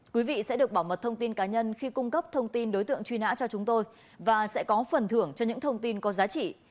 quý vị sẽ được bảo mật thông tin cá nhân khi cung cấp thông tin đối tượng truy nã cho chúng tôi và sẽ có phần thưởng cho những thông tin có giá trị